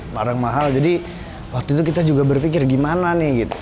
barang mahal jadi waktu itu kita juga berpikir gimana nih gitu